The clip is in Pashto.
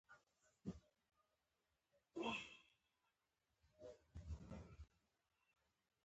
لکه سیند وکرې